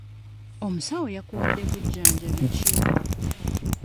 Omusawo yakuwadde bujjanjabi ki?